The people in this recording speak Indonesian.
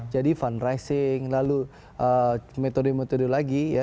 jadi fundraising lalu metode metode lagi ya